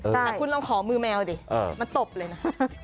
แต่คุณลองขอมือแมวดิมันตบเลยนะ